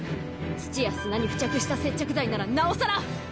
土や砂に付着した接着剤ならなおさら！